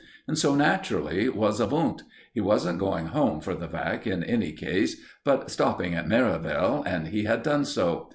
And so, naturally, was Wundt. He wasn't going home for the vac. in any case, but stopping at Merivale, and he had done so.